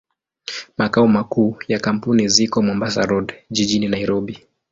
Makao makuu ya kampuni ziko Mombasa Road, jijini Nairobi.